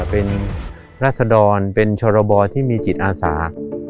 เป็นราศดรเป็นชรบที่มีจิตอาสา